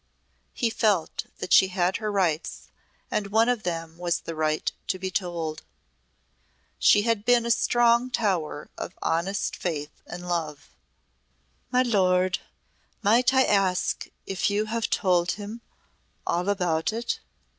He felt that she had her rights and one of them was the right to be told. She had been a strong tower of honest faith and love. "My lord, might I ask if you have told him all about it?"